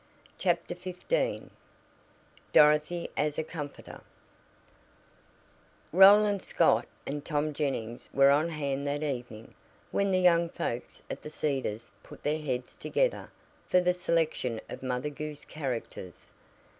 CHAPTER XV DOROTHY AS A COMFORTER Roland Scott and Tom Jennings were on hand that evening, when the young folks at The Cedars "put their heads together" for the selection of Mother Goose characters.